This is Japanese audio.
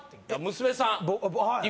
娘さん